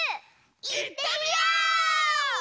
いってみよう！